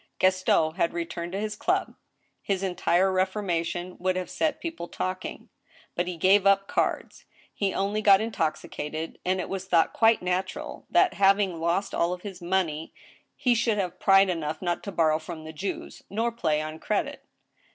Gaston had returned to his club. His entire reformation would have set people talking. But he gave up cards. He only got in toxicated, and it was thought quite natural that, having lost all his THE TRIAL, 1 8/ money, he should have pride enough not to borrow from the Jews, nor play on credit.